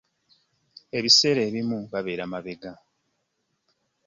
Ebiseera ebimu babeera n'embaga.